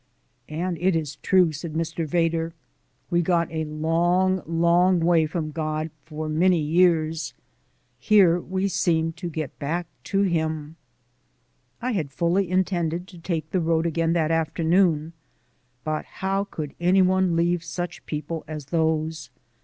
"And it is true," said Mr. Vedder. "We got a long, long way from God for many years: here we seem to get back to Him." I had fully intended to take the road again that afternoon, but how could any one leave such people as those?